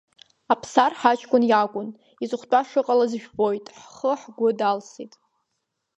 Аԥсар ҳаҷкәын иакәын, иҵыхәтәа шыҟалаз жәбоит, ҳхы-ҳгәы далсит.